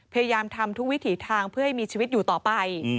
พยายามทำทุกวิถีทางเพื่อให้มีชีวิตอยู่ต่อไป